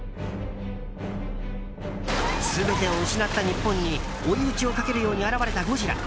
全てを失った日本に追い打ちをかけるように現れたゴジラ。